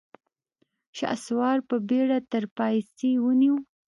شهسوار په بېړه تر پايڅې ونيو.